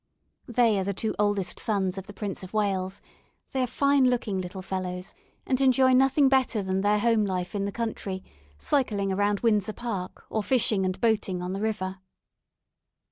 They are the two oldest sons of the Prince of Wales; they are fine looking little fellows, and enjoy nothing better than their home life in the country, cycling around Windsor Park, or fishing and boating on the river.